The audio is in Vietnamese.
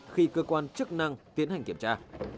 khi cơ quan chức năng tiến hành kiểm tra